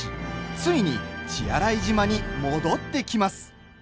ついに、血洗島に戻ってきます。